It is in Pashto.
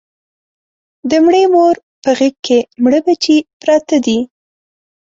د مړې مور په غېږ کې مړه بچي پراته دي